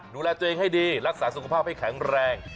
ดูแลตัวเองให้ดีรักษาสุขภาพให้แข็งแรง